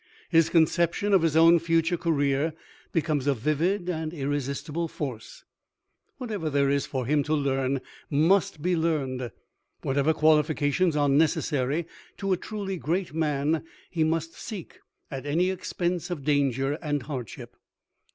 His conception of his own future career becomes a vivid and irresistible force. Whatever there is for him to learn must be learned; whatever qualifications are necessary to a truly great man he must seek at any expense of danger and hardship.